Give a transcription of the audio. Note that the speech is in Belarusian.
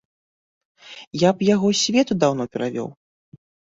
Я б яго з свету даўно перавёў.